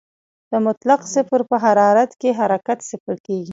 د مطلق صفر په حرارت کې حرکت صفر کېږي.